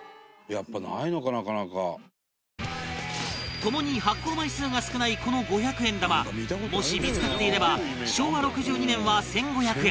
ともに発行枚数が少ないこの五百円玉もし見付かっていれば昭和６２年は１５００円